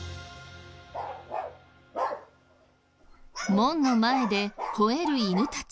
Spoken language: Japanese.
門の前でほえる犬たち。